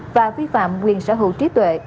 và vi phạm quyền sở hữu trí tuệ